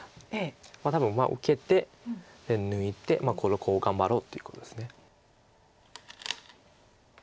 多分受けて抜いてこのコウを頑張ろうということです。